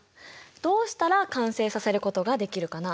どうしたら完成させることができるかな？